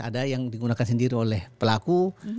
ada yang digunakan sendiri oleh pelaku